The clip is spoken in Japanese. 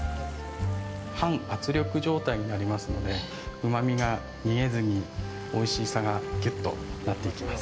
半圧力状態になりますのでうまみが逃げずにおいしさがぎゅっとなっていきます。